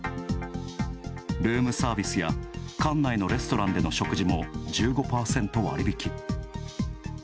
ルームサービスや館内のレストランでの食事も１５％割引き。